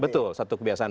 betul satu kebiasaan